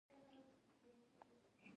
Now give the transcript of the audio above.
پوخ هدف انسان بدلوي